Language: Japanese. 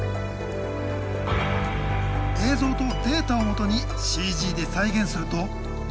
映像とデータを基にＣＧで再現すると。